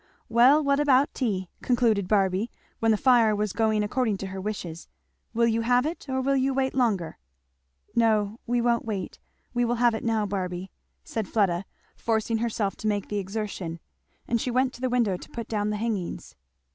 "Well what about tea?" concluded Barby, when the fire was going according to her wishes. "Will you have it, or will you wait longer?" "No we won't wait we will have it now, Barby," said Fleda, forcing herself to make the exertion; and she went to the window to put down the hangings.